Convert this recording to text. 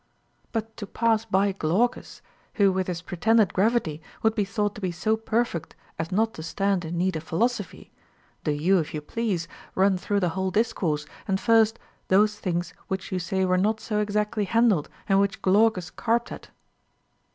But to pass by Glaucus, who with his prp tended gravity would be thought to be so perfect as not to stand in need of philosophy, — do you, if you please, run through the whole discourse, and first, those things which you say were not so exactly handled and Avhich Glaucus carped at.